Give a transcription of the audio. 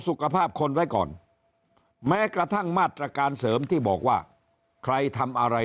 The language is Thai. สุขภาพคนไว้ก่อนแม้กระทั่งมาตรการเสริมที่บอกว่าใครทำอะไร